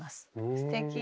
すてき。